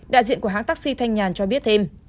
đại diện của hãng taxi thanh nhàn cho biết thêm